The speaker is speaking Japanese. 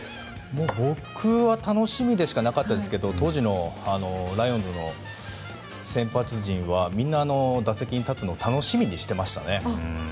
僕は楽しみでしかなかったですけど当時のライオンズの先発陣はみんな打席に立つのを楽しみにしてましたね。